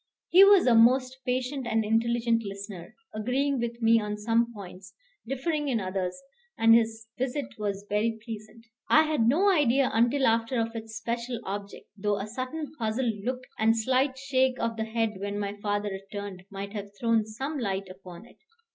He was a most patient and intelligent listener, agreeing with me on some points, differing in others; and his visit was very pleasant. I had no idea until after of its special object; though a certain puzzled look and slight shake of the head when my father returned, might have thrown some light upon it.